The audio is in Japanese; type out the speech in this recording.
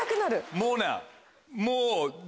もうなもう。